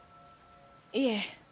いえ。